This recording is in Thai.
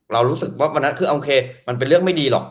รู้สึกว่าวันนั้นคือโอเคมันเป็นเรื่องไม่ดีหรอก